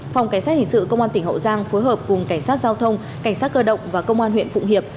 phòng cảnh sát hình sự công an tp hcm phối hợp cùng cảnh sát giao thông cảnh sát cơ động và công an huyện phụng hiệp